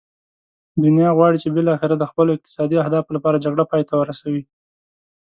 دنیا غواړي چې بالاخره د خپلو اقتصادي اهدافو لپاره جګړه پای ته ورسوي.